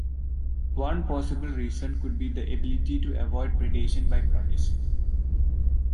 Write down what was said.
One possible reason could be the ability to avoid predation by protists.